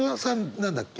何だっけ？